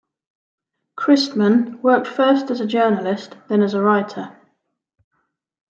Kristmann worked first as a journalist, then as a writer.